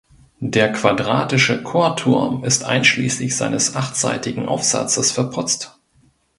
Der quadratische Chorturm ist einschließlich seines achtseitigen Aufsatzes verputzt.